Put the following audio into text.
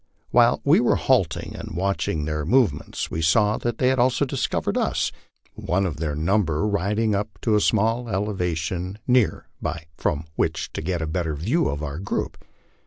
While we were halting and watching their move ments we saw that they also had discovered us, one of their number riding up to a small elevation near by from which to get a better view of our group.